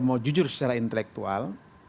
mau jujur secara intelektual